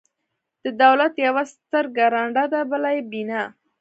د دولت یوه سترګه ړنده ده، بله بینا.